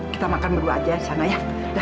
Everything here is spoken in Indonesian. kita makan berdua aja di sana ya